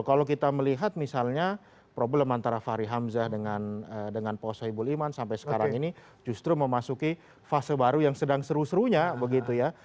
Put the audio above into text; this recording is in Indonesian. kalau kita melihat misalnya problem antara fahri hamzah dengan pak soebul iman sampai sekarang ini justru memasuki fase baru yang sedang seru serunya begitu ya